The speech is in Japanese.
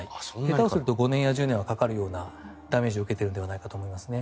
下手をすると５年や１０年はかかるようなダメージを受けているんじゃないかと思います。